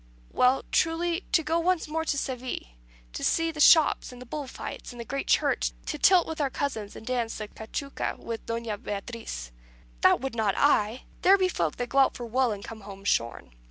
"Well, truly, to go once more to Seville, to see the shops, and the bull fights, and the great Church; to tilt with our cousins, and dance the cachuca with Doña Beatriz." "That would not I. There be folk that go out for wool, and come home shorn.